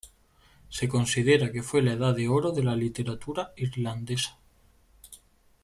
Se considera que fue la edad de oro de la literatura irlandesa.